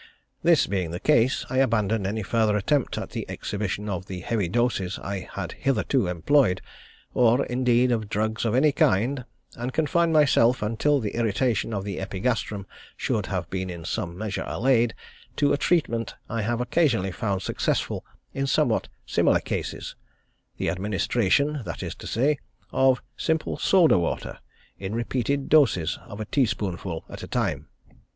This being the case, I abandoned any further attempt at the exhibition of the heavy doses I had hitherto employed, or indeed of drugs of any kind, and confined myself, until the irritation of the epigastrium should have been in some measure allayed, to a treatment I have occasionally found successful in somewhat similar cases; the administration, that is to say, of simple soda water in repeated doses of a teaspoonful at a time.